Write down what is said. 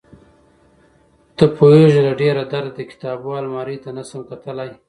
ته پوهېږې له ډېره درده د کتابو المارۍ ته نشم کتلى.